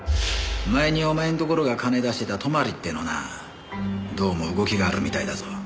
前にお前のところが金出してた泊ってのなどうも動きがあるみたいだぞ。